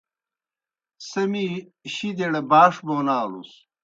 سہ می شِدِیْڑ باݜ بون آلاس۔